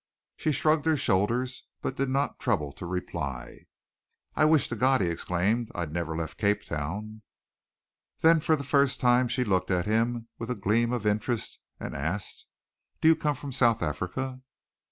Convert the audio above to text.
She shrugged her shoulders, but did not trouble to reply. "I wish to God," he exclaimed, "I'd never left Cape Town!" Then for the first time she looked at him with a gleam of interest, and asked, "Do you come from South Africa?"